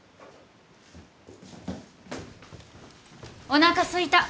おなかすいた。